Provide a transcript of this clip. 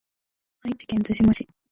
愛知県津島市